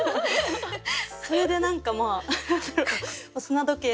それで何かまあ砂時計